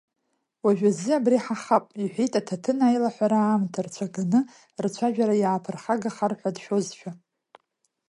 Уажәазы абри ҳахап иҳәеит аҭаҭын аилаҳәара аамҭа рцәаганы рцәажәара иаԥырхагахар ҳәа дшәозшәа.